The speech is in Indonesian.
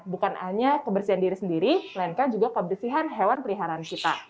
bukan hanya kebersihan diri sendiri melainkan juga kebersihan hewan peliharaan kita